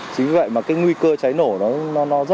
cũng như là xe ở trên xe